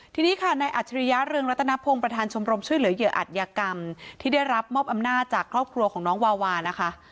ทีนี้ค่ะในอัจฉริยะเรืองรัตนพงศ์ประธานชมรมช่วยเหลือเหยื่ออัตยกรรมที่ได้รับมอบอำนาจจากครอบครัวของน้องวาวานะคะ